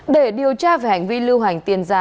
để điều tra về hành vi lưu hành tiền giả